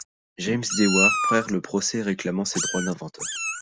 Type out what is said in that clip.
James Dewar perd le procès réclamant ses droits d'inventeur.